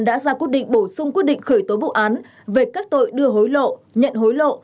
đã ra quyết định bổ sung quyết định khởi tố vụ án về các tội đưa hối lộ nhận hối lộ